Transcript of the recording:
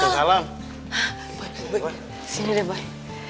disini deh bay